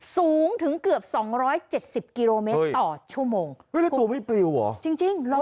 สูงถึงเกือบ๒๗๐กิโลเมตรต่อชั่วโมง